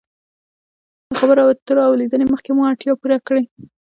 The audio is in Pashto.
له خبرو اترو او لیدنې مخکې مو اړتیا پوره کړئ.